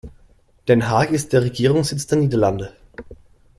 Den Haag ist der Regierungssitz der Niederlande.